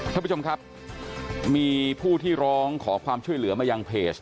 ท่านผู้ชมครับมีผู้ที่ร้องขอความช่วยเหลือมายังเพจ